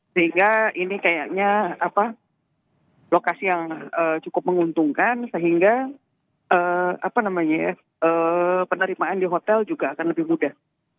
sehingga ini kayaknya lokasi yang cukup menguntungkan sehingga penerimaan di hotel juga akan lebih mudah